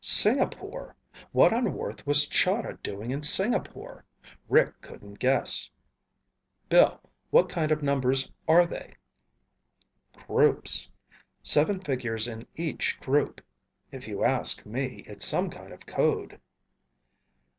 Singapore! What on earth was Chahda doing in Singapore? Rick couldn't guess. "Bill, what kind of numbers are they?" "Groups. Seven figures in each group. If you ask me, it's some kind of code."